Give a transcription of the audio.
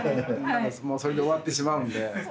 もうそれで終わってしまうんで。